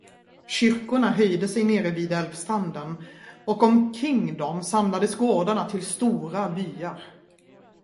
Kyrkorna höjde sig nere vid älvstranden, och omkring dem samlades gårdarna till stora byar.